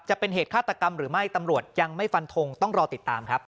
จะเป็นเหตุฆาตกรรมหรือไม่ตำรวจยังไม่ฟันทงต้องรอติดตามครับ